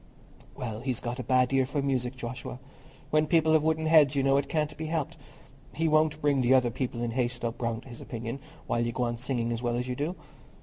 "Well, he's got a bad ear for music, Joshua. When people have wooden heads, you know, it can't be helped. He won't bring the other people in Hayslope round to his opinion, while you go on singing as well as you do."